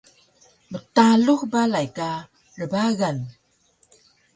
mtalux balay ka rbagan